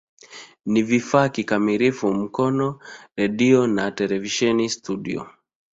Ni vifaa kikamilifu Mkono redio na televisheni studio.